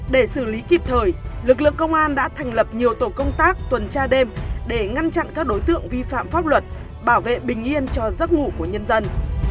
để xử lý kịp thời lực lượng công an đã thành lập nhiều tổ công tác tuần tra đêm để ngăn chặn các đối tượng vi phạm pháp luật bảo vệ bình yên cho giấc ngủ của nhân dân